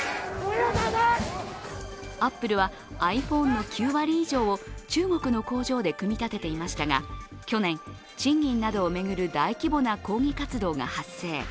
アップルは、ｉＰｈｏｎｅの９割以上を中国の工場で組み立てていましたが、去年、賃金などを巡る大規模な抗議活動が発生。